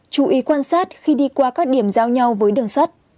chú ý quan sát khi đi qua các điểm giao nhau với đường sắt